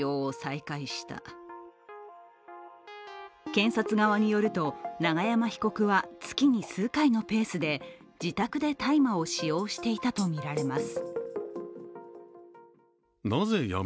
検察側によると永山被告は月の数回のペースで自宅で大麻を使用していたとみられます。